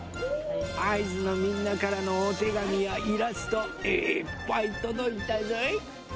あいづのみんなからのおてがみやイラストいっぱいとどいたぞい。